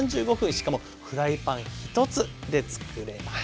しかもフライパン１つでつくれます。